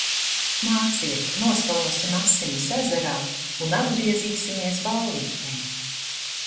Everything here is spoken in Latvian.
Nāciet, noskalosim asinis ezerā un atgriezīsimies ballītē!